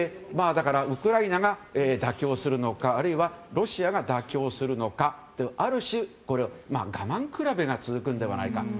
だから、ウクライナが妥協するのかあるいはロシアが妥協するのかある種、我慢比べが続くのではないか。